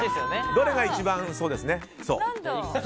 どれが一番、そうですね、そう。